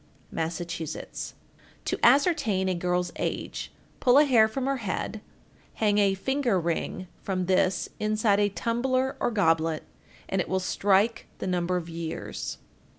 Massachusetts. 1470. To ascertain a girl's age, pull a hair from her head, hang a finger ring from this inside a tumbler or goblet, and it will strike the number of years.